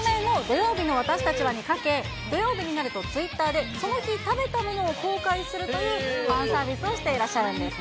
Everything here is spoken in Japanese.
曲名も、土曜のわたしたちはにかけ、土曜日になると、ツイッターでその日食べたものを公開するというファンサービスをしていらっしゃるんです。